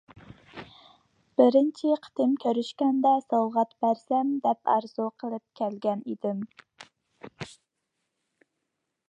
بىرىنچى قېتىم كۆرۈشكەندە سوۋغاتلىق بەرسەم دەپ ئارزۇ قىلىپ كەلگەنىدىم.